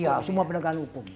karena semua penerbangan hukum